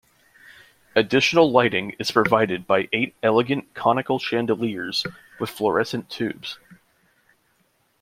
Additional lighting is provided by eight elegant conical chandeliers with fluorescent tubes.